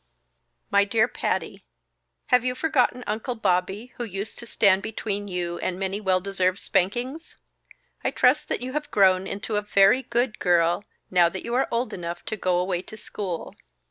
"_My Dear Patty, _ "Have you forgotten 'Uncle Bobby' who used to stand between you and many well deserved spankings? I trust that you have grown into a VERY GOOD GIRL now that you are old enough to go away to school!